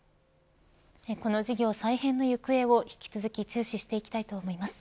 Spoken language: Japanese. この事業再編の行方を引き続き注視していきたいと思います。